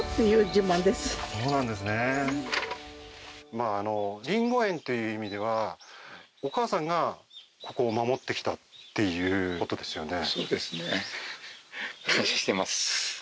まありんご園という意味ではお母さんがここを守ってきたっていうことですよね